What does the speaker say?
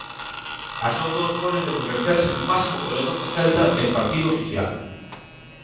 A só dous goles de converterse no máximo goleador do Celta en partido oficial.